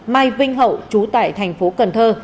mai vinh hậu chú tại thành phố cần thơ